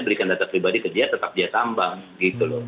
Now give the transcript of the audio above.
berikan data pribadi ke dia tetap dia tambah